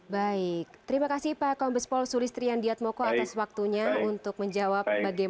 baik terima kasih pak kompes pol sulis triandiat moko atas waktunya untuk menjawab bagaimana